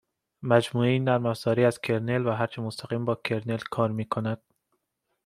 مجموعهای نرمافزاری از کرنل و هرچه مستقیما با کرنل کار میکند